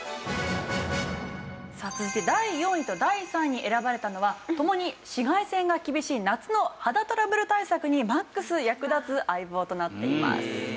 さあ続いて第４位と第３位に選ばれたのはともに紫外線が厳しい夏の肌トラブル対策にマックス役立つ相棒となっています。